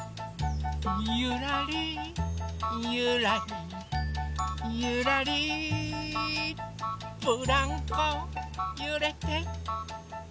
ゆらりゆらりゆらりブランコゆれてゆらりっと。